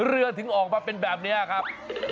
ถึงออกมาเป็นแบบนี้ครับ